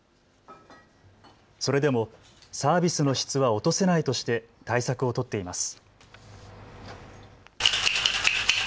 それでもサービスの質は落とせないとして対策を取っています。